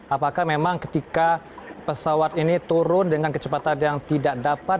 apakah memang ketika pesawat ini turun dengan kecepatan yang tidak dapat